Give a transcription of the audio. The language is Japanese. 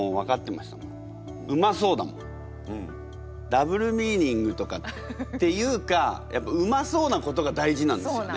ダブルミーニングとかっていうかやっぱうまそうなことが大事なんですよね。